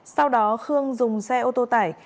sau đó khương dùng xe ô tô tải